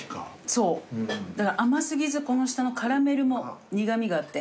そうだから甘過ぎずこの下のカラメルも苦味があって。